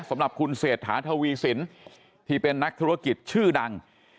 สำหรับคุณเศรษฐาทวีสินที่เป็นนักธุรกิจชื่อดัง